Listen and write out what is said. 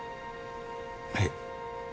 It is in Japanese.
はい。